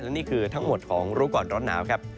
นี่คือทั้งหมดของรู้ก่อนร้อนหนาวครับ